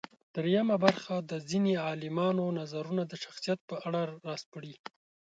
درېیمه برخه د ځينې عالمانو نظرونه د شخصیت په اړه راسپړي.